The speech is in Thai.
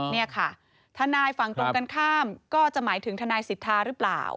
นี่ค่ะทนายฝั่งตรงกันข้ามก็จะหมายถึงทนายสิทธาหรือเปล่า